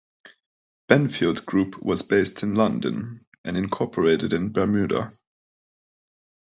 Benfield Group was based in London and incorporated in Bermuda.